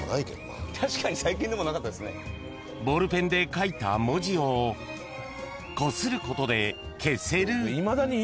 ［ボールペンで書いた文字をこすることで消せる］